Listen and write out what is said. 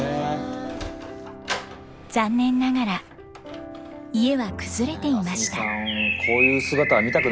残念ながら家は崩れていました。